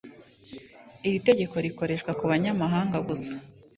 Iri tegeko rikoreshwa kubanyamahanga gusa